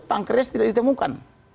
pankreas tidak ditemukan